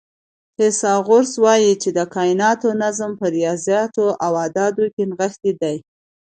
فیثاغورث وایي چې د کائناتو نظم په ریاضیاتو او اعدادو کې نغښتی دی.